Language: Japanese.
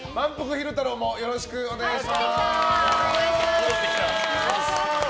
昼太郎もよろしくお願いします。